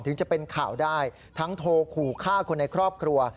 ถึงจะเป็นข่าวได้ทั้งโทรขู่ฆ่าคนในครอบครัว